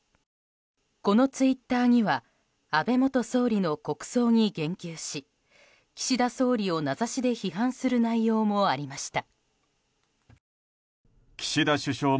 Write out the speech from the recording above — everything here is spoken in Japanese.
このツイッターには安倍元総理の国葬の言及し岸田総理を名指しで批判する内容もありました。